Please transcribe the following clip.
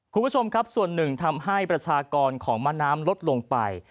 คุณผู้ชมครับส่วนหนึ่งทำให้ประชากรของมะน้ำลดลงไป